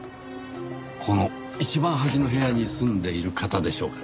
この一番端の部屋に住んでいる方でしょうかね？